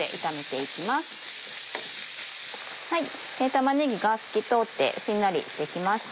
玉ねぎが透き通ってしんなりしてきました。